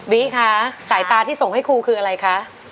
วิคะสายตาที่ส่งให้ครูคืออะไรคะ